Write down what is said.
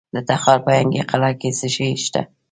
د تخار په ینګي قلعه کې څه شی شته؟